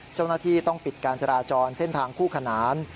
เจ้าหน้าที่ต้องปิดการจราจรเส้นทางคู่ขนาน